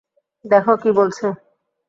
দেখো কী বলছে।